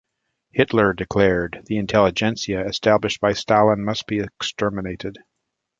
Hitler declared: The intelligentsia established by Stalin must be exterminated.